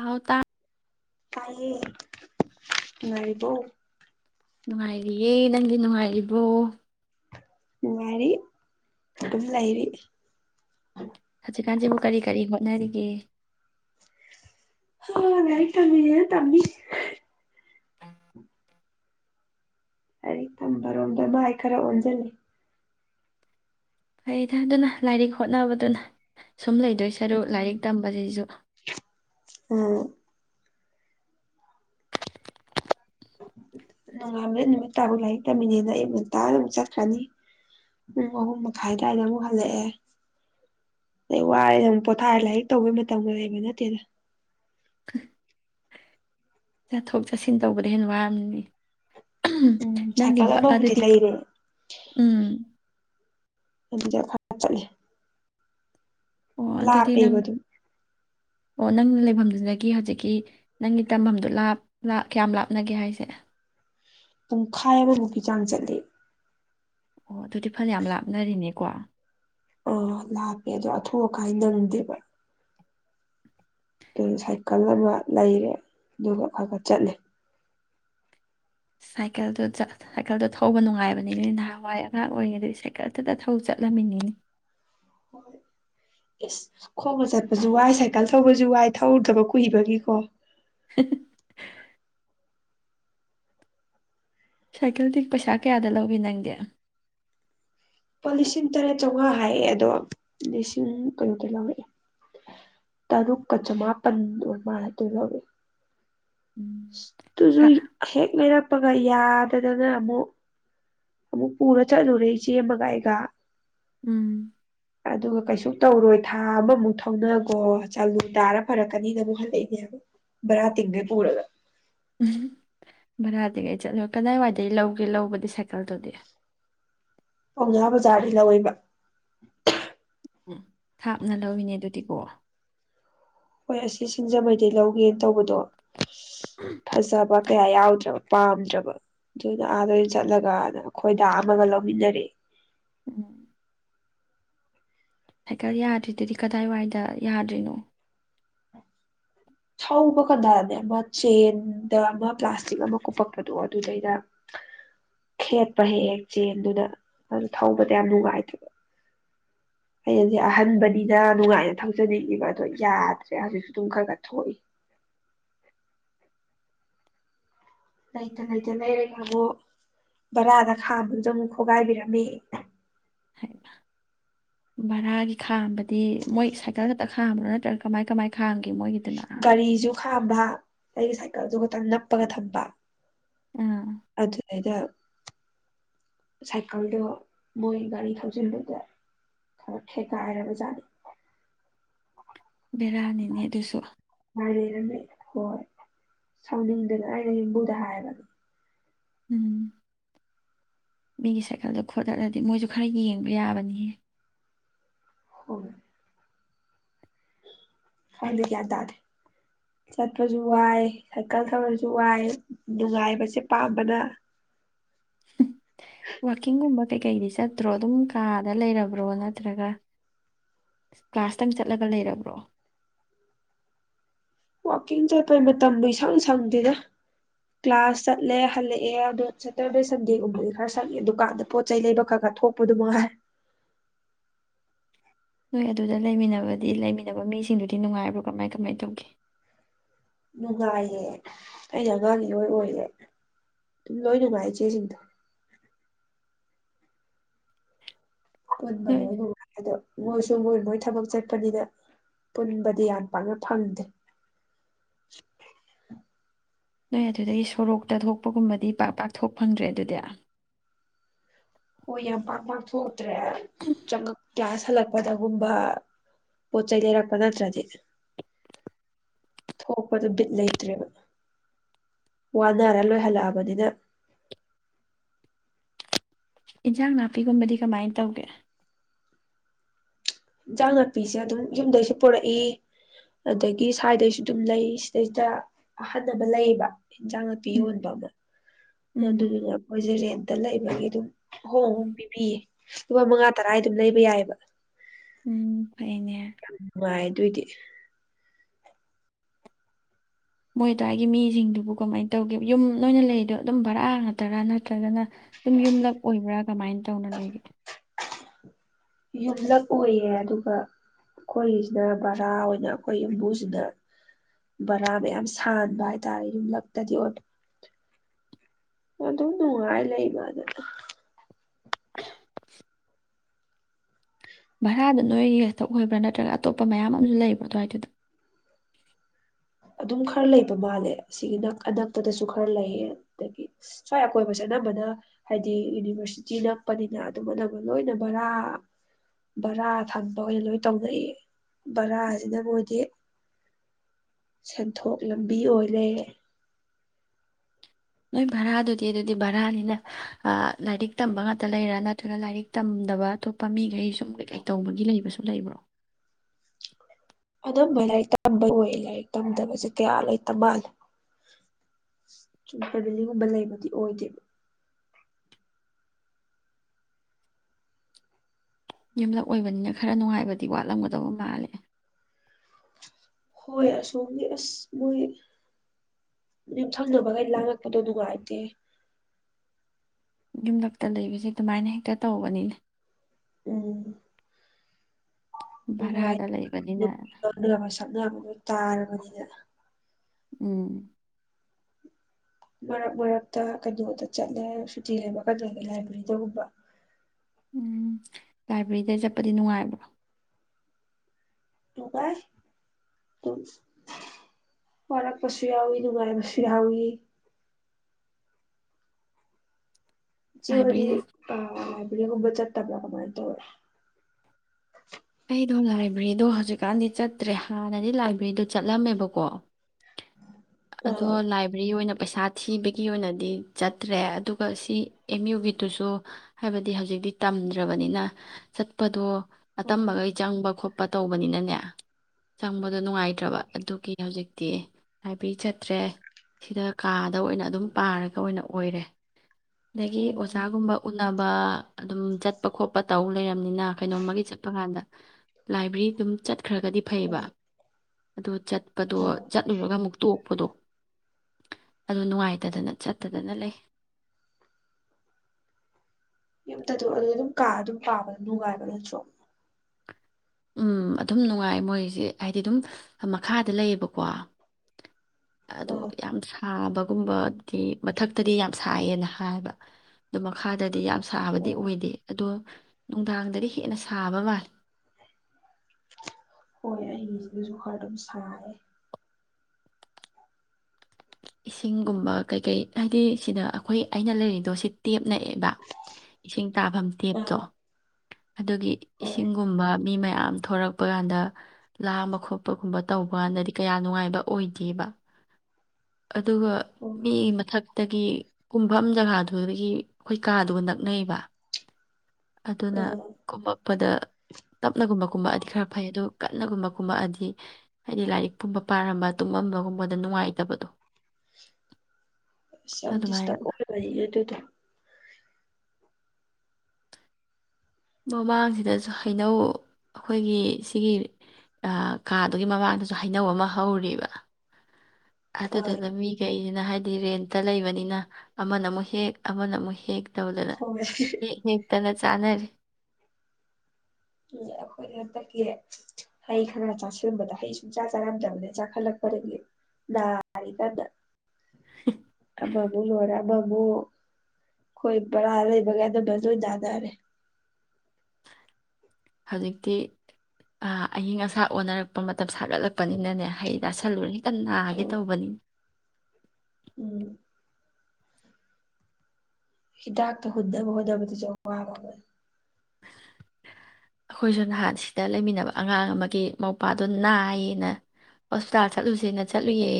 ꯍꯥꯎ ꯇ ꯇꯥꯏꯌꯦ ꯃꯔꯤꯕꯣ ꯅꯨꯡꯉꯥꯏꯔꯤꯌꯦ ꯅꯪꯗꯤ ꯅꯨꯡꯉꯥꯏꯔꯤꯕꯣ ꯅꯨꯡꯉꯥꯏꯔꯤ ꯑꯗꯨꯝ ꯂꯩꯔꯤ ꯍꯧꯖꯤꯛ ꯀꯥꯟꯁꯤꯕꯨ ꯀꯔꯤ ꯀꯔꯤ ꯍꯣꯠꯅꯔꯤ ꯒꯦ ꯍ ꯂꯥꯏꯔꯤꯛ ꯇꯝꯃꯤꯅꯦꯅ ꯇꯝꯃꯤ ꯂꯥꯏꯔꯤꯛ ꯇꯝꯕꯔꯣꯝꯗ ꯃꯥꯥꯏ ꯈꯔ ꯑꯣꯟꯁꯤꯜꯂꯤ ꯐꯩꯗ ꯑꯗꯨꯅ ꯂꯥꯏꯔꯤꯛ ꯍꯣꯠꯅꯕꯗꯨꯅ ꯁꯨꯝ ꯂꯩꯗꯣꯏ ꯁꯔꯨꯛ ꯂꯥꯏꯔꯤꯛ ꯇꯝꯕꯁꯤꯁꯨ ꯎꯝ ꯅꯣꯡꯉꯥꯟꯕꯗꯩ ꯅꯨꯃꯤꯠ ꯇꯥꯐꯥꯎ ꯂꯥꯏꯔꯤꯛ ꯇꯝꯃꯤꯅꯦꯅ ꯑꯌꯨ ꯉꯟꯇꯥ ꯑꯗꯨꯨꯛ ꯆꯠꯈ꯭ꯔꯅꯤ ꯄꯨꯡ ꯑꯍꯨꯝ ꯃꯈꯥꯏ ꯑꯗꯨꯋꯥꯏꯗ ꯑꯃꯨꯛ ꯍꯜꯂꯛꯑꯦ ꯑꯗꯩ ꯋꯥꯔꯦ ꯑꯃꯨꯛ ꯄꯣꯊꯥꯔꯦ ꯂꯥꯏꯔꯤꯛ ꯇꯧꯕꯩ ꯃꯇꯝꯒ ꯂꯩꯕ ꯅꯠꯇꯦꯗ ꯀ ꯆꯠꯊꯣꯛ ꯆꯠꯁꯤꯟ ꯇꯧꯕꯗ ꯍꯦꯟꯅ ꯋꯥꯔꯝꯅꯤ ꯎꯝ ꯅꯪꯗꯤ ꯁꯥꯏꯀꯜ ꯑꯃꯕꯨꯗꯤ ꯑꯗꯨꯗꯤ ꯂꯩꯔꯦ ꯎꯝ ꯑꯗꯨꯗ ꯈꯔ ꯆꯠꯂꯤ ꯑꯣ ꯑꯗꯨꯗꯤ ꯅꯪ ꯂꯥꯞꯄꯦꯕ ꯑꯗꯨꯨꯝ ꯑꯣ ꯅꯪꯅ ꯂꯩꯐꯝꯗꯨꯗꯒꯤ ꯍꯧꯖꯤꯛꯀꯤ ꯅꯪꯒꯤ ꯇꯝꯐꯝꯗꯨ ꯀꯌꯥꯝ ꯂꯥꯞꯅꯒꯦ ꯍꯥꯏꯁꯦ ꯄꯨꯡꯈꯥꯏ ꯑꯃꯃꯨꯛꯀꯤ ꯆꯥꯡ ꯆꯠꯂꯦ ꯑꯣ ꯑꯗꯨꯗꯤ ꯐꯅꯌꯥꯝ ꯂꯥꯞꯅꯔꯤꯅꯦꯀꯣ ꯑ ꯂꯥꯞꯄꯦ ꯑꯗꯣ ꯑꯊꯨ ꯑꯀꯥꯏ ꯅꯪꯗꯦꯕ ꯑꯗꯨ ꯁꯥꯏꯀꯜ ꯑꯃ ꯂꯩꯔꯦ ꯑꯗꯨꯒ ꯈꯔ ꯈ ꯆꯠꯂꯤ ꯁꯥꯏꯀꯜꯗꯨ ꯁꯥꯏꯀꯜꯗꯣ ꯊꯧꯕ ꯅꯨꯡꯉꯥꯏꯕꯅꯤꯅꯦ ꯅꯍꯥꯟꯋꯥꯏ ꯑꯉꯍꯥꯡ ꯑꯣꯏꯔꯤꯉꯩꯗꯗꯤ ꯁꯥꯏꯀꯜꯗꯨꯗ ꯊꯧ ꯆꯠꯂꯝꯃꯤꯅꯤꯅꯦ ꯍꯣꯏ ꯑꯦꯁ ꯈꯣꯕ ꯆꯠꯄꯁꯨ ꯋꯥꯏ ꯁꯥꯏꯀꯜ ꯊꯧꯕꯁꯨ ꯋꯥꯏ ꯊꯧꯗꯕ ꯀꯨꯏꯕꯒꯤꯀꯣ [inaudible] ꯁꯥꯏꯀꯜꯗꯤ ꯄꯩꯁꯥ ꯀꯌꯥꯗ ꯂꯧꯋꯤ ꯅꯪꯗꯤ ꯂꯄꯥ ꯂꯤꯁꯤꯡ ꯇꯔꯦꯠ ꯆꯧꯉꯥ ꯍꯥꯏꯌꯦ ꯑꯗꯣ ꯂꯤꯁꯤꯡ ꯀꯩꯅꯣꯗ ꯂꯧꯔꯛꯑꯦ ꯇꯔꯨꯛꯀ ꯆꯃꯥꯄꯜ ꯑꯗꯨꯃꯥꯏ ꯂꯧꯔꯛꯑꯦ ꯎꯝ ꯇꯨꯁꯨ ꯀ ꯍꯦꯛ ꯂꯩꯔꯛ ꯆꯠꯄꯒ ꯌꯥꯗꯗꯅ ꯑꯃꯨꯛ ꯑꯃꯨꯛ ꯄꯨꯔ ꯆꯠꯂꯨꯔꯦ ꯏꯆꯦ ꯑꯃꯒ ꯑꯩꯒ ꯎꯝ ꯑꯗꯨꯒ ꯀꯩꯁꯨ ꯇꯧꯔꯣꯏ ꯊꯥ ꯑꯃꯃꯨꯛ ꯊꯧꯅꯒꯣ ꯆꯥꯂꯨ ꯇꯥꯔ ꯐꯔꯛꯀꯅꯤꯅ ꯑꯃꯨꯛ ꯍꯜꯂꯛꯏꯅꯦꯕ ꯕꯔꯥ ꯇꯤꯡꯒꯩ ꯄꯨꯔꯒ ꯎꯝ ꯚꯔꯥ ꯇꯤꯡꯉꯩ ꯆꯠꯂ ꯀꯗꯥꯏꯋꯥꯏꯗ ꯂꯧꯒꯦ ꯂꯧꯕꯗꯤ ꯁꯥꯏꯀꯜꯗꯨꯗꯤ ꯄꯥꯎꯅꯥ ꯕꯖꯥꯔꯗꯩ ꯂꯧꯋꯦꯕ ꯎꯝ ꯊꯥꯞꯅ ꯂꯧꯋꯤꯅꯦ ꯑꯗꯨꯗꯤꯀꯣ ꯍꯣꯏ ꯑꯁꯤ ꯁꯤꯡꯖꯃꯩꯗꯩ ꯂꯧꯒꯦꯅ ꯇꯧꯕꯗꯣ ꯐꯖꯕ ꯀꯌꯥ ꯌꯥꯎꯗ꯭ꯔꯕ ꯄꯥꯝꯗ꯭ꯔꯕ ꯑꯗꯨꯅ ꯑꯥꯗ ꯑꯣꯏꯅ ꯆꯠꯂꯒꯅ ꯈꯣꯏꯗꯥ ꯑꯃꯒ ꯂꯧꯃꯤꯟꯅꯔꯦ ꯎꯝ ꯁꯥꯏꯀꯜ ꯌꯥꯗ꯭ꯔꯤꯗꯨꯗꯤ ꯀꯗꯥꯏꯋꯥꯏꯗ ꯌꯥꯗ꯭ꯔꯤꯅꯣ ꯊꯧꯕ ꯀꯟꯗꯗ ꯑꯃ ꯆꯦꯟꯗ ꯑꯃ ꯄ꯭ꯂꯥꯁꯇꯤꯛ ꯑꯃ ꯀꯨꯞꯄꯛꯄꯗꯣ ꯑꯗꯨꯗꯩꯗ ꯈꯦꯠꯄ ꯍꯦꯛ ꯍꯦꯛ ꯆꯦꯟꯗꯨꯗ ꯑꯗꯨ ꯊꯧꯕꯗ ꯌꯥꯝ ꯅꯨꯡꯉꯥꯏꯇꯕ ꯍꯌꯦꯡꯁꯦ ꯑꯍꯟꯕꯅꯤꯅ ꯅꯨꯡꯉꯥꯏꯅ ꯊꯧꯖꯅꯤꯡꯉꯤꯕ ꯑꯗꯣ ꯌꯥꯗ꯭ꯔꯦ ꯍꯧꯖꯤꯛꯁꯨ ꯑꯗꯨꯝ ꯈꯔ ꯈ ꯊꯣꯛꯏ ꯂꯩꯇ ꯂꯩꯇ ꯂꯩꯔꯒ꫰ꯑꯃꯨꯛ ꯕꯔꯥꯗ ꯈꯥꯕꯁꯨ ꯑꯃꯨꯛ ꯈꯣꯒꯥꯏꯕꯤꯔꯛ ꯃꯤ ꯍꯥꯏ ꯚꯔꯥꯒꯤ ꯈꯥꯝꯕꯗꯤ ꯃꯣꯏ ꯁꯥꯏꯀꯜ ꯈꯛꯇ ꯈꯥꯝꯕ꯭ꯔꯣ ꯅꯠꯇ꯭ꯔꯒ ꯀꯃꯥꯏ ꯀꯃꯥꯏ ꯈꯥꯝꯒꯦ ꯃꯣꯏꯒꯤ ꯒꯥꯔꯤꯁꯨ ꯈꯥꯝꯕ ꯑꯩꯒꯤ ꯁꯥꯏꯀꯜꯖꯨ ꯈꯛꯇꯪ ꯅꯞꯄꯒ ꯊꯝꯕ ꯑꯥ ꯑꯗꯨꯗꯩꯗ ꯁꯥꯏꯀꯜꯗꯣ ꯃꯣꯏ ꯒꯥꯔꯤ ꯊꯧꯖꯤꯟꯕꯗ ꯈꯔ ꯈꯦꯒꯥꯏꯔꯕꯖꯥꯠꯅꯤ ꯕꯦꯔꯥꯅꯤꯅꯦ ꯑꯗꯨꯁꯨ ꯂꯩꯝ ꯂꯩ ꯍꯣꯏ ꯁꯥꯎꯅꯤꯡꯗꯅ ꯑꯩꯅ ꯌꯨꯝꯕꯨꯗ ꯍꯥꯏꯕꯅꯤ ꯎꯝ ꯃꯤꯒꯤ ꯁꯥꯏꯀꯜꯗꯣ ꯈꯣꯠꯇꯠꯂꯗꯤ ꯃꯣꯏꯁꯨ ꯈꯔ ꯌꯦꯡꯕ ꯌꯥꯕꯅꯤꯍꯦ ꯍꯣꯏ ꯍꯥꯏꯗꯤ ꯒ꯭ꯌꯥꯟ ꯇꯥꯗꯦ ꯆꯠꯄꯁꯨ ꯋꯥꯏ ꯁꯥꯏꯀꯜ ꯊꯧꯔꯁꯨ ꯋꯥꯏ ꯅꯨꯡꯉꯥꯏꯕꯁꯦ ꯄꯥꯝꯕꯅ ꯎ [inaudible] ꯋꯥꯀꯤꯡꯒꯨꯝꯕ ꯀꯩꯀꯩꯗꯤ ꯆꯠꯇ꯭ꯔꯣ ꯑꯗꯨꯝ ꯀꯥꯗ ꯂꯩꯔꯕ꯭ꯔꯣ ꯅꯠꯇ꯭ꯔꯒ ꯀ꯭ꯂꯥꯁꯇꯪ ꯆꯠꯂꯒ ꯂꯩꯔꯕ꯭ꯔꯣ ꯋꯥꯛꯀꯤꯡ ꯆꯠꯄꯩ ꯃꯇꯝꯕꯨ ꯏꯁꯪ ꯁꯪꯗꯦꯗ ꯀ꯭ꯂꯥꯁ ꯆꯠꯂꯦ ꯍꯜꯂꯛꯑꯦ ꯑꯗꯣ ꯁꯦꯇꯔꯗꯦ ꯁꯟꯗꯦꯒꯨꯝꯕꯗꯤ ꯈꯔ ꯁꯪꯉꯦ ꯗꯨꯀꯥꯟꯗ ꯄꯣꯠ ꯆꯩꯩ ꯂꯩꯕ ꯈꯔ ꯈꯔ ꯊꯣꯛꯄꯗꯨ ꯃꯉꯥꯏ ꯅꯣꯏ ꯑꯗꯨꯗ ꯂꯩꯃꯤꯟꯅꯕꯗꯤ ꯂꯩꯃꯤꯟꯅꯕ ꯃꯤꯁꯤꯡꯗꯨꯗꯤ ꯅꯨꯡꯉꯥꯏꯕ꯭ꯔꯣ ꯀꯃꯥꯏ ꯀꯃꯥꯏꯅ ꯇꯧꯒꯦ ꯅꯨꯡꯉꯥꯏꯌꯦ ꯑꯩꯅ ꯑꯉꯥꯡ ꯏꯑꯣꯏ ꯑꯣꯏꯌꯦ ꯑꯗꯨꯝ ꯂꯣꯏ ꯅꯨꯡꯉꯥꯏ ꯏꯆꯦꯁꯤꯡꯗꯣ ꯍ ꯅꯣꯏ ꯃꯅꯤꯗꯣ [inaudible] ꯃꯣꯏꯁꯨ ꯃꯣꯏ ꯃꯣꯏ ꯊꯕꯛ ꯆꯠꯄꯅꯤꯗ ꯄꯨꯟꯕꯗꯤ ꯌꯥꯝ ꯄꯥꯛꯅ ꯐꯪꯗꯦ ꯅꯣꯏ ꯑꯗꯨꯗꯒꯤ ꯁꯣꯔꯣꯛꯇ ꯊꯣꯛꯄꯒꯨꯝꯕꯗꯤ ꯄꯥꯛ ꯄꯥꯛ ꯊꯣꯛ ꯐꯪꯗ꯭ꯔꯦ ꯑꯗꯨꯗꯤ ꯍꯣꯏ ꯌꯥꯝ ꯄꯥꯛ ꯄꯥꯛ ꯊꯣꯛ ꯇ꯭ꯔꯦ ꯆꯪꯉꯛ ꯀ꯭ꯂꯥꯁ ꯍꯜꯂꯛꯄꯗꯒꯨꯝꯕ ꯄꯣꯠ ꯆꯩꯩ ꯂꯩꯔꯛꯄ ꯅꯠꯇ꯭ꯔꯗꯤ ꯊꯣꯛꯄꯗꯣ ꯕꯤꯠ ꯂꯩꯇ꯭ꯔꯦꯕ ꯋꯥꯅꯔ ꯂꯣꯏ ꯍꯜꯂꯛꯑꯕꯅꯤꯅ ꯏꯟꯁꯥꯡ ꯅꯥꯄꯤꯒꯨꯝꯕꯗꯤ ꯀꯃꯥꯏꯅ ꯇꯧꯒꯦ ꯏꯟꯖꯥꯡ ꯅꯥꯄꯤꯁꯦ ꯑꯗꯨꯝ ꯌꯨꯝꯗꯩꯁꯨ ꯄꯨꯔꯛꯏ ꯑꯗꯒꯤ ꯁ꯭ꯥꯏꯗꯩꯁꯨ ꯑꯗꯨꯝ ꯂꯩ ꯁꯤꯗꯩꯁꯤꯗ ꯑꯍꯟ ꯑꯃ ꯂꯩꯌꯦꯕ ꯏꯟꯖꯥꯡ ꯅꯥꯄꯤ ꯎꯝ ꯌꯣꯟꯕ ꯑꯃ ꯎꯝ ꯑꯗꯨꯒꯤꯅꯦ ꯑꯣꯏꯣꯏꯖꯔꯦ [inaudible] ꯗ ꯂꯩꯕꯒꯤ ꯑꯗꯨꯝ ꯍꯣꯡ ꯍꯣꯡ ꯄꯤꯕꯤꯌꯦ ꯂꯨꯄꯥ ꯃꯉꯥ ꯇꯔꯥ ꯑꯗꯨꯝ ꯂꯩꯕ ꯌꯥꯏꯌꯦꯕ ꯎꯝ ꯐꯩꯅꯦ ꯑꯗꯨꯏꯗꯤ ꯃꯣꯏ ꯑꯗ꯭ꯋꯥꯏꯒꯤ ꯃꯤꯁꯤꯡꯗꯨꯕꯨ ꯀꯃꯥꯏꯅ ꯇꯧꯒꯦ ꯌꯨꯝ ꯅꯣꯏꯅ ꯂꯩꯔꯤꯗꯣ ꯑꯗꯨꯝ ꯕꯔꯥ ꯉꯥꯛꯇꯔꯥ ꯅꯠꯇ꯭ꯔꯒꯅ ꯑꯗꯨꯝ ꯌꯨꯝꯂꯛ ꯑꯣꯏꯕ꯭ꯔꯥ ꯀꯃꯥꯏꯅ ꯇꯧꯅ ꯂꯩꯒꯦ ꯌꯨꯝꯂꯛ ꯑꯣꯏꯌꯦ ꯑꯗꯨꯒ ꯑꯩꯈꯣꯏꯁꯤꯅ ꯕꯔꯥ ꯑꯣꯏꯅ ꯑꯩꯈꯣꯏ ꯌꯨꯝꯕꯨꯁꯤꯅ ꯕꯔꯥ ꯃꯌꯥꯝ ꯁꯥꯟꯕ ꯍꯥꯏꯇꯥꯔꯦ ꯌꯨꯝꯂꯛꯇꯗꯤ ꯑꯣꯏꯕ ꯑꯣ ꯑꯗꯨꯝ ꯅꯨꯡꯉꯥꯏ ꯂꯩꯕ ꯑꯗꯨ ꯚꯔꯥꯗꯣ ꯅꯣꯏꯒꯤ ꯈꯇꯪ ꯑꯣꯏꯕ꯭ꯔꯥ ꯅꯠꯇ꯭ꯔꯒ ꯑꯇꯣꯞꯄ ꯃꯌꯥꯝ ꯑꯃꯁꯨ ꯂꯩꯕ꯭ꯔꯥ ꯑꯗꯨꯋꯥꯏꯗꯨꯗ ꯑꯗꯨꯝ ꯈꯔ ꯂꯩꯕ ꯃꯥꯜꯂꯦ ꯁꯤꯒꯤ ꯑꯅꯛꯄꯗꯁꯨ ꯈꯔ ꯂꯩꯌꯦ ꯑꯗꯒꯤ ꯁ꯭ꯋꯥꯏ ꯑꯀꯣꯏꯕꯁꯦ ꯑꯅꯝꯕꯅ ꯍꯥꯏꯕꯗꯤ ꯌꯨꯅꯤꯚꯔꯁꯤꯇꯤ ꯅꯛꯄꯅꯤꯅ ꯑꯗꯨꯝꯕ ꯑꯅꯝꯕ ꯂꯣꯏꯅ ꯕꯔꯥ ꯕꯔꯥ ꯊꯝꯕ ꯑꯣꯏꯅ ꯂꯣꯏ ꯇꯧꯅꯩꯌꯦ ꯕꯔꯥꯁꯤꯅ ꯃꯣꯏꯗꯤ ꯁꯦꯟꯊꯣꯛ ꯂꯝꯕꯤ ꯑꯣꯏ ꯂꯩꯔꯦ ꯅꯣꯏ ꯚꯔꯥꯗꯨꯗꯤ ꯑꯗꯨꯗꯤ ꯚꯔꯥꯅꯤꯅ ꯂꯥꯏꯔꯤꯛ ꯇꯝꯕ ꯉꯥꯛꯇ ꯂꯩꯔꯥ ꯅꯠꯇ꯭ꯔꯒ ꯂꯥꯏꯔꯤꯛ ꯇꯝꯗꯕ ꯑꯇꯣꯞꯄ ꯃꯤꯈꯩ ꯁꯨꯝ ꯀꯩꯀꯩ ꯇꯧꯕꯒꯤ ꯂꯩꯕꯁꯨ ꯂꯩꯕ꯭ꯔꯣ ꯑꯗꯨꯝꯕ ꯂꯥꯏꯔꯤꯛ ꯇꯝꯕ ꯑꯣꯏ ꯂꯥꯏꯔꯤꯛ ꯇꯝꯗꯕꯁꯦ ꯀꯌꯥ ꯂꯣꯏꯇ ꯃꯥꯥꯜꯂꯦ ꯁꯨꯝ ꯐꯦꯃꯤꯂꯤꯒꯨꯝꯕ ꯂꯩꯕꯗꯤ ꯑꯣꯏꯗꯦꯕ ꯌꯨꯝꯂꯛ ꯑꯣꯏꯕꯅꯤꯅ ꯈꯔ ꯅꯨꯡꯉꯥꯏꯕꯗꯤ ꯋꯥꯠꯂꯝꯒꯗꯕ ꯃꯥꯜꯂꯦ ꯍꯣꯏ ꯑꯁꯣꯝꯒꯤ ꯑꯁ ꯃꯣꯏ ꯌꯨꯝꯊꯪꯅꯕꯈꯩ ꯂꯥꯡꯉꯛꯄꯗꯣ ꯅꯨꯡꯉꯥꯏꯇꯦ ꯌꯨꯝꯂꯛꯇ ꯂꯩꯕꯁꯦ ꯑꯗꯨꯃꯥꯏꯅ ꯍꯦꯛꯇ ꯇꯧꯕꯅꯤꯅꯦ ꯎꯝ ꯚꯔꯥꯗ ꯂꯩꯕꯅꯤꯅ꯫ [unintelligible] ꯈꯠꯅꯕꯗꯨ ꯇꯥꯔꯕꯅꯤꯅ ꯎꯝ ꯃꯔꯛ ꯃꯔꯛꯇ ꯀꯩꯅꯣꯗ ꯆꯠꯂꯦ ꯁꯨꯇꯤ ꯂꯩꯕ ꯀꯗꯒꯦ ꯂꯥꯏꯕ꯭ꯔꯦꯔꯤꯗꯒꯨꯝꯕ ꯎꯝ ꯂꯥꯏꯕ꯭ꯔꯦꯔꯤꯗ ꯆꯠꯄꯗꯤ ꯅꯨꯡꯉꯥꯏꯕꯣ ꯅꯨꯡꯉꯥꯏ ꯑꯗꯨꯝ ꯋꯥꯔꯛꯄꯁꯨ ꯌꯥꯎꯋꯤ ꯅꯨꯡꯉꯥꯏꯕꯁꯨ ꯌꯥꯎꯋꯤ ꯗꯤ ꯂꯥꯏꯕ꯭ꯔꯦꯔꯤꯗ ꯑ ꯏꯒꯨꯝꯕ ꯆꯠꯇꯕ꯭ꯔꯥ ꯀꯃꯥꯏꯅ ꯇꯧꯋꯔꯦ ꯑꯩꯗꯣ ꯂꯥꯏꯕ꯭ꯔꯦꯔꯤꯗꯣ ꯍꯧꯖꯤꯛꯀꯥꯟꯗꯤ ꯆꯠꯇ꯭ꯔꯦ ꯍꯥꯟꯅꯗꯤ ꯂꯥꯏꯕ꯭ꯔꯦꯔꯤꯗꯣ ꯆꯠꯂꯝꯃꯦꯕꯀꯣ ꯑꯗꯣ ꯎꯝ ꯂꯥꯏꯕ꯭ꯔꯦꯔꯤ ꯑꯣꯏꯅ ꯄꯩꯁꯥ ꯊꯤꯕꯒꯤ ꯑꯣꯏꯅꯗꯤ ꯆꯠꯇ꯭ꯔꯦ ꯑꯗꯨꯒ ꯁꯤ ꯑꯦꯝ ꯌꯨꯒꯤꯗꯨꯁꯨ ꯍꯥꯏꯕꯗꯤ ꯍꯧꯖꯤꯛꯇꯤ ꯇꯝꯗ꯭ꯔꯕꯅꯤꯅ ꯆꯠꯄꯗꯣ ꯎꯝ ꯑꯇꯝꯕꯒꯩ ꯆꯪꯕ ꯈꯣꯠꯄ ꯇꯧꯕꯅꯤꯅꯅꯦ ꯆꯪꯕ ꯑꯗꯨ ꯅꯨꯡꯉꯥꯏꯇ꯭ꯔꯕ ꯑꯗꯨꯒꯤ ꯍꯧꯖꯤꯛ [unintelligible] ꯄꯤ ꯆꯠꯇ꯭ꯔꯦ ꯁꯤꯗ ꯀꯥꯗ ꯑꯣꯏꯅ ꯑꯗꯨꯝ ꯄꯥꯔꯒ ꯑꯣꯏꯅ ꯑꯣꯏꯔꯦ ꯑꯗꯒꯤ ꯍꯣꯏ ꯑꯣꯖꯥꯒꯨꯝꯕ ꯎ ꯆꯠꯅꯕ ꯑꯗꯨꯝ ꯆꯠꯄ ꯈꯣꯠꯄ ꯇꯧ ꯂꯩꯔꯕꯝꯅꯤꯅ ꯀꯩꯅꯣꯝꯃ ꯆꯠꯄ ꯀꯥꯟꯗ ꯂꯥꯏꯕ꯭ꯔꯦꯔꯤ ꯑꯗꯨꯝ ꯆꯠ ꯈ꯭ꯔꯒꯗꯤ ꯐꯩꯌꯦꯕ ꯍꯣꯏ ꯑꯗ ꯍ ꯆꯠꯄꯗꯣ ꯆꯠꯂꯨꯔꯒ ꯑꯃꯨꯛꯇ ꯄꯣꯛꯄꯗꯣ ꯑꯗꯨ ꯅꯨꯡꯉꯥꯏꯇꯗꯅ ꯆꯠꯇꯗꯅ ꯂꯩ ꯌꯝꯇꯗ ꯑꯗꯨꯝ ꯀ ꯑꯗꯨꯝ ꯄꯥꯕꯗꯣ ꯅꯨꯡꯉꯥꯏꯕꯗꯣ ꯆ ꯎꯝ ꯑꯗꯨꯝ ꯅꯨꯡꯉꯥꯏ ꯃꯣꯏꯁꯦ ꯍꯥꯏꯗꯤ ꯑꯗꯨꯝ ꯃꯈꯥꯗ ꯂꯩꯌꯦꯕꯀꯣ ꯑꯗꯨꯣ ꯑꯥ ꯌꯥꯝꯗ꯭ꯔꯥ ꯊꯥꯕꯒꯨꯝꯕꯗꯤ ꯃꯊꯛꯇꯗꯤ ꯌꯥꯝ ꯁꯥꯏꯌꯦꯅ ꯍꯥꯏꯕ ꯑꯗꯨ ꯃꯈꯥꯗꯗꯤ ꯌꯥꯝ ꯁꯥꯕꯗꯤ ꯑꯣ ꯑꯣꯏꯗꯦ ꯑꯗꯣ ꯅꯨꯡꯗꯥꯡꯗꯗꯤ ꯍꯦꯟꯅ ꯁꯥꯕ ꯃꯥꯜꯂꯤ ꯍꯣꯏ ꯑꯩꯁꯤꯗꯁꯨ ꯈꯔ ꯑꯗꯨꯝ ꯁꯥꯏ ꯏꯁꯤꯡꯒꯨꯝꯕ ꯀꯩꯀꯩ ꯍꯥꯏꯗꯤ ꯁꯤꯗ ꯑꯩꯈꯣꯏ ꯑꯩꯅ ꯂꯩꯔꯤꯗꯣ ꯁꯤ ꯇꯦꯞ ꯅꯛꯑꯦꯕ ꯏꯁꯤꯡ ꯇꯥꯐꯝ ꯇꯦꯞꯇꯣ ꯑꯥ ꯑꯗꯨꯒꯤ ꯍꯣꯏ ꯏꯁꯤꯡꯒꯨꯝꯕ ꯃꯤ ꯃꯌꯥꯝ ꯊꯣꯔꯛꯄ ꯀꯥꯟꯗ ꯂꯥꯝꯕ ꯈꯣꯠꯄꯒꯨꯝꯕ ꯇꯧꯕ ꯀꯥꯟꯗꯗꯤ ꯀꯌꯥ ꯅꯨꯡꯉꯥꯏꯕ ꯑꯣꯏꯗꯦꯕ ꯑꯗꯨꯒ ꯍꯣꯏ ꯃꯤ ꯃꯊꯛꯇ ꯒꯤ ꯀꯨꯝꯐꯝ ꯖꯒꯥꯗꯨꯗꯒꯤ ꯑꯩꯈꯣꯏ ꯀꯥꯗꯨꯒ ꯅꯛꯅꯩꯕ꯫ ꯑꯗꯨꯅ ꯑꯥ ꯀꯨꯝꯕ ꯄꯗ ꯇꯞꯅꯒꯨꯝꯕ ꯀꯨꯝꯕꯑꯗꯤ ꯈꯔ ꯐꯩ ꯑꯗꯨ ꯀꯟꯅꯒꯨꯝꯕ ꯀꯨꯝꯃꯛꯑꯗꯤ ꯍꯥꯏꯗꯤ ꯂꯥꯏꯔꯤꯛ ꯄꯨꯝꯕ ꯄꯥꯔꯝꯕ ꯇꯨꯝꯃꯝꯕꯒꯨꯝꯕꯗ ꯅꯨꯡꯉꯥꯏꯇꯕꯗꯣ꯫ ꯑꯁ ꯌꯥꯝ ꯑꯗꯨꯃꯥꯏꯅ ꯗꯤꯁꯇꯕ ꯑꯣꯏꯕꯅꯤꯅꯦ ꯑꯗꯨꯗꯣ ꯫ ꯃꯃꯥꯡꯁꯤꯗꯁꯨ ꯍꯩꯅꯧ ꯑꯩꯈꯣꯏꯒꯤ ꯁꯤꯒꯤ ꯀꯥꯗꯨꯒꯤ ꯃꯃꯥꯡꯗꯁꯨ ꯍꯩꯅꯧ ꯑꯃ ꯍꯧꯔꯤꯕ꯫ ꯑꯥ ꯑꯗꯨꯗꯨꯅꯥ ꯃꯤꯒꯦ ꯑꯗꯨꯅ ꯍꯥꯏꯗꯤ ꯔꯦꯟꯇ ꯂꯩꯕꯅꯤꯅ ꯑꯃꯅ ꯑꯃꯨꯛ ꯍꯦꯛ ꯑꯃꯅ ꯑꯃꯨꯛ ꯍꯦꯛ ꯇꯧꯗꯅ ꯍꯣꯏ [unintelligible] ꯆꯥꯅꯔꯤ꯫ ꯑꯩꯈꯣꯏ ꯍꯟꯗꯛꯀꯤ ꯍꯩ ꯈꯔ ꯆꯥꯁꯤꯟꯕꯗ ꯍꯩ ꯁꯨꯡꯆꯥ ꯆꯥꯔꯝꯗꯕꯅꯦ ꯆꯥꯈꯠꯂꯛꯄꯗꯒꯤ ꯅꯥꯔꯤꯀꯥꯟꯅ꯫ [unintelligible] [unintelligible] ꯑꯩꯈꯣꯏ ꯕꯔꯥ ꯂꯩꯕꯒ ꯑꯗꯨꯝꯕ ꯂꯣꯏ ꯅꯥ꯫ ꯍꯧꯖꯤꯛꯇꯤ ꯑꯏꯤꯡ ꯑꯁꯥ ꯑꯣꯟꯅꯔꯛꯄ ꯃꯇꯝ ꯁꯥꯒꯠꯂꯛꯄꯅꯤꯅꯅꯦ ꯍꯩ ꯇꯥꯁꯜꯂꯨꯔꯅꯤ ꯀꯟꯅ ꯅꯥꯒꯦ ꯍꯣꯏ ꯇꯧꯕꯅꯤ꯫ ꯎꯝ ꯍꯤꯗꯥꯛꯇ ꯍꯨꯟꯅꯕ ꯍꯣꯠꯅꯕꯗꯖꯨ ꯑꯋꯥꯕꯥ ꯑꯃꯅꯤ꯫ ꯑꯩꯈꯣꯏꯁꯨ ꯅꯍꯥꯟ ꯁꯤꯗ ꯂꯩꯃꯤꯟꯅꯕ ꯑꯉꯥꯡ ꯑꯃꯒꯤ ꯃꯧꯄꯥꯗꯣ ꯅꯥꯏꯌꯦꯅ ꯍꯣꯁꯄꯤꯇꯥꯜ ꯆꯠꯂꯨꯁꯦꯅ ꯆꯠꯂꯨꯌꯦ꯫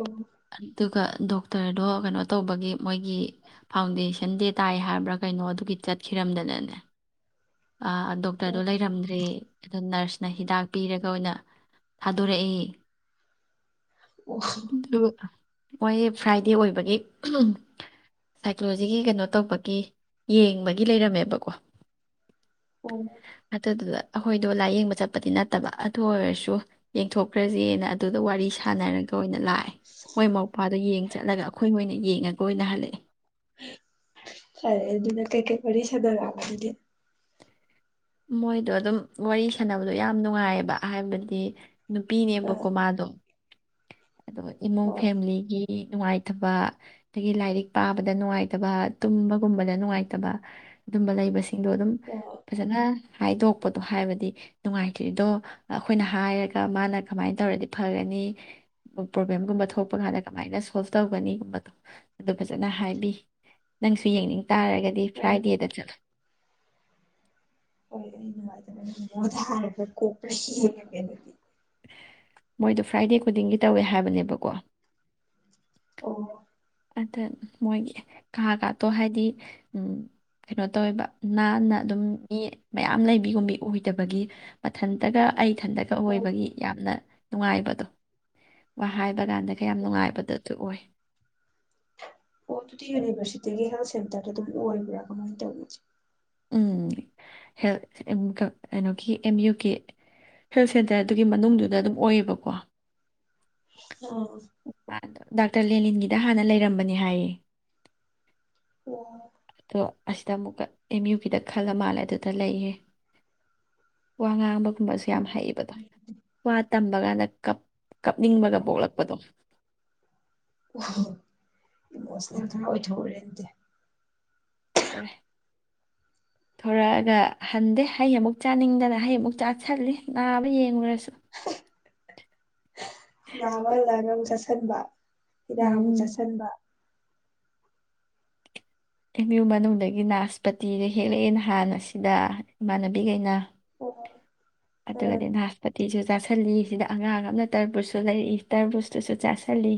ꯎꯝ ꯑꯗꯨꯒ ꯗꯣꯛꯇꯔꯗꯣ ꯀꯩꯅꯣ ꯇꯧꯕꯒꯤ ꯃꯣꯏꯒꯤ ꯐꯥꯎꯟꯗꯦꯁꯟ ꯗꯦ ꯇꯥꯏ ꯍꯥꯏꯕ꯭ꯔꯥ ꯀꯩꯅꯣ ꯑꯗꯨꯒꯤ ꯆꯠꯈꯤꯔꯝꯗꯅꯅꯦ ꯗꯣꯛꯇꯔꯗꯣ ꯎꯝ ꯂꯩꯔꯝꯗ꯭ꯔꯦ ꯑꯗꯣ ꯅꯔꯁ ꯅ ꯍꯤꯗꯥꯛ ꯄꯤꯔꯒ ꯑꯣꯏꯅ ꯊꯥꯗꯣꯔꯛꯏ꯫ ꯑꯣ ꯑꯗꯨ ꯃꯣꯏ ꯐ꯭ꯔꯥꯏꯗꯦ ꯑꯣꯏꯕꯒꯤ ꯁꯥꯏꯀꯣꯂꯣꯖꯤꯒꯤ ꯀꯩꯅꯣ ꯇꯧꯕꯒꯤ ꯌꯦꯡꯕꯒꯤ ꯂꯩꯔꯝꯃꯦꯕꯀꯣ ꯑꯣ꯫ ꯑꯗꯨꯗꯨꯗ ꯑꯩꯈꯣꯏꯗꯣ ꯂꯥꯏꯌꯦꯡꯕ ꯆꯠꯄꯗꯤ ꯅꯠꯇꯕ ꯑꯗꯨ ꯑꯣꯏꯔꯁꯨ ꯌꯦꯡꯊꯣꯛꯈ꯭ꯔꯁꯦꯅ ꯑꯗꯨꯗ ꯋꯥꯔꯤ ꯁꯥꯟꯅꯔꯒ ꯑꯣꯏꯅ ꯂꯥꯛꯑꯦ꯫ꯃꯣꯏ ꯃꯧꯄꯥꯗꯣ ꯌꯦꯡ ꯆꯠꯂꯒ ꯑꯩꯈꯣꯏ ꯃꯣꯏ ꯑꯣꯏꯅ ꯌꯦꯡꯉꯒ ꯑꯣꯏꯅ ꯍꯜꯂꯛꯑꯦ꯫ ꯐꯔꯦ ꯑꯗꯨꯅ ꯀꯩꯀꯩ ꯋꯥꯔꯤ ꯁꯥꯗꯔꯛꯑꯕ ꯑꯗꯨꯗꯤ? ꯃꯣꯏꯗꯣ ꯑꯗꯨꯝ ꯋꯥꯔꯤ ꯁꯅꯕꯗꯣ ꯌꯥꯝ ꯅꯨꯡꯉꯥꯏꯌꯦꯕ ꯍꯥꯏꯕꯗꯤ ꯑꯥ ꯅꯨꯄꯤꯅꯦꯕꯀꯣ ꯃꯥꯗꯣ ꯑꯗꯣ ꯏꯃꯨꯡ ꯍꯣꯏ ꯐꯦꯃꯤꯂꯤꯒꯤ ꯅꯨꯡꯉꯥꯏꯇꯕ, ꯑꯗꯒꯤ ꯂꯥꯏꯔꯤꯛ ꯄꯥꯕꯗ ꯅꯨꯡꯉꯥꯏꯇꯕ, ꯇꯨꯝꯕꯒꯨꯝꯕꯗ ꯅꯨꯡꯉꯥꯏꯇꯕ ꯑꯗꯨꯝꯕ ꯂꯩꯕꯁꯤꯡꯗꯣ ꯑꯗꯨꯝ ꯑꯣ ꯐꯖꯅ ꯍꯥꯏꯗꯣꯛꯄꯗꯣ ꯍꯥꯏꯕꯗꯤ ꯅꯨꯡꯉꯥꯏꯇ꯭ꯔꯤꯗꯣ ꯑꯩꯈꯣꯏꯅ ꯍꯥꯏꯔꯒ ꯃꯥꯅ ꯀꯃꯥꯏꯅ ꯇꯧꯔꯗꯤ ꯐꯒꯅꯤ ꯄ꯭ꯔꯣꯕ꯭ꯂꯦꯝꯒꯨꯝꯕ ꯊꯣꯛꯄ ꯀꯥꯟꯗ ꯀꯃꯥꯏꯅ ꯁꯣꯜꯕ ꯇꯧꯒꯅꯤꯒꯨꯝꯕꯗꯣ ꯑꯗꯨ ꯐꯖꯅ ꯍꯥꯏꯕꯤ ꯅꯪꯁꯨ ꯌꯦꯡꯅꯤꯡ ꯇꯥꯔꯒꯗꯤ ꯗꯤ ꯑꯣ ꯐ꯭ꯔꯥꯏꯗꯤꯦꯗ ꯆꯂꯣ꯫ ꯍꯣꯏ ꯑꯩꯅ ꯅꯨꯉꯥꯏꯇꯥꯕꯥ [unintelligible] ꯃꯣꯏꯗꯣ ꯐ꯭ꯔꯥꯏꯗꯦ ꯈꯨꯗꯤꯡꯒꯤ ꯇꯧꯋꯦ ꯍꯥꯏꯕꯅꯦꯕꯀꯣ꯫ ꯑꯣ꯫ ꯑꯗ ꯃꯣꯏꯒꯤ ꯀꯥꯒꯥꯇꯣ ꯍꯥꯏꯗꯤ ꯀꯩꯅꯣ ꯇꯧꯋꯦꯕ ꯅꯥꯟꯅ ꯑꯗꯨꯝ ꯃꯤ ꯃꯌꯥꯝ ꯂꯩꯕꯤꯒꯨꯝꯕꯤ ꯑꯣꯏꯗꯕꯒꯤ ꯃꯊꯟꯇꯒ ꯑꯩ ꯏꯊꯟꯇꯒ ꯑꯣ ꯑꯣꯏꯕꯒꯤ ꯌꯥꯝꯅ ꯅꯨꯡꯉꯥꯏꯕꯗꯣ ꯋꯥ ꯍꯥꯏꯕ ꯀꯥꯟꯗꯒ ꯌꯥꯝ ꯅꯨꯡꯉꯥꯏꯕꯗ ꯑꯗꯨ ꯑꯣꯏ꯫ ꯑꯣ ꯑꯗꯨꯗꯤ ꯌꯨꯅꯤꯚꯔꯁꯤꯇꯤꯒꯤ ꯍꯦꯜꯊ ꯁꯦꯟꯇꯔ ꯇ ꯑꯗꯨꯝ ꯑꯣꯏꯕ꯭ꯔꯥ ꯀꯃꯥꯏꯅ ꯇꯧꯢ? [inaudible] ꯎꯝ ꯍꯦꯜ ꯀꯩꯅꯣꯒꯤ ꯑꯦꯝ ꯌꯨ ꯒꯤ ꯍꯦꯜꯠ ꯁꯦꯟꯇꯔꯗꯨꯒꯤ ꯃꯅꯨꯡꯗꯨꯗ ꯑꯗꯨꯝ ꯑꯣꯏꯌꯦꯕꯀꯣ꯫ ꯑꯣ꯫ ꯃꯥꯗꯣ ꯗꯥꯛꯇꯔ ꯂꯦꯂꯤꯟꯒꯤꯗ ꯍꯥꯟꯅ ꯂꯩꯔꯝꯕꯅꯦ ꯍꯥꯏꯌꯦ꯫ ꯑꯣ ꯑꯗꯣ ꯑꯁꯤꯗ ꯑꯃꯨꯛꯀ ꯑꯦꯝ ꯌꯨ ꯕꯤꯗ ꯈꯜꯂ ꯃꯥꯜꯂꯦ ꯑꯗꯨꯗ ꯂꯩꯌꯦꯦ ꯋꯥ ꯉꯥꯡꯕ ꯀꯨꯝꯕꯁ ꯌꯥꯝ ꯍꯩꯌꯦꯕꯗꯣ ꯇꯝꯕ ꯀꯥꯟꯗ ꯀꯞ ꯀꯞꯅꯤꯡꯕꯒ ꯄꯣꯛꯂꯛꯄꯗꯣ ꯃꯁ ꯈꯔ ꯑꯣꯏ ꯊꯧꯕꯔꯗ ꯊꯑꯦ ꯊꯣꯔꯛꯑꯒ ꯍꯟꯗꯦ ꯍꯩ ꯑꯃꯨꯛ ꯆꯥꯅꯤꯡꯗꯅ ꯍꯩ ꯑꯃꯨꯛ ꯆꯥꯛꯁꯤꯜꯂꯤ ꯅꯥꯕ ꯌꯦꯡꯉꯨꯔꯁꯨ ꯕꯜ ꯂꯒꯝ ꯆꯁꯕ ꯍꯤꯗꯥꯛ ꯑꯃꯨꯛ ꯎꯝ ꯆꯥꯁꯤꯟꯕ ꯑ ꯌꯌꯨꯡ ꯃꯅꯨꯡꯗꯒꯤ ꯅꯥꯁꯄꯇꯤꯗ ꯍꯦꯛꯂꯛꯑꯦ ꯅꯍꯥꯟ ꯑꯁꯤꯗ ꯏꯃꯥꯟꯅꯕꯤꯈꯩꯅ ꯑꯣ ꯑꯠꯇ ꯀꯗꯤ ꯍꯖ ꯄꯇꯁꯨ ꯆꯥꯥꯁꯜꯂꯤ ꯁꯤꯗ ꯑꯉꯥꯡ ꯑꯃꯅ ꯇꯔꯕꯨꯖꯁꯨ ꯂꯩꯔꯛꯏ ꯇꯔꯕꯨꯖꯇꯨꯁꯨ ꯆꯥꯥꯁꯜꯂꯤ